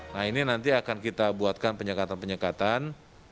nah ini nanti akan kita buatkan penyekatan penyekatan